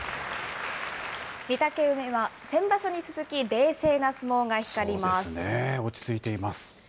御嶽海は、先場所に続き、冷静な相撲が光ります。